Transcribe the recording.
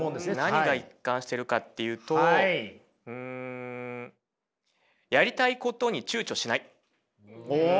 何が一貫してるかっていうとうんお！